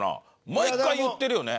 毎回言ってるよね。